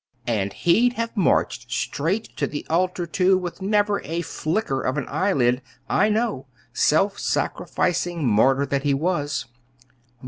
And he'd have marched straight to the altar, too, with never a flicker of an eyelid, I know self sacrificing martyr that he was!"